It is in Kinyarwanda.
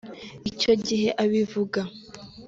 ” Icyo gihe abivuga